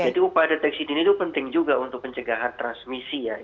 jadi upaya deteksi dini itu penting juga untuk pencegahan transmisi ya